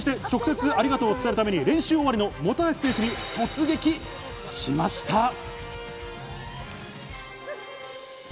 直接ありがとうを伝えるために練習終わりの本橋選手に突撃しました。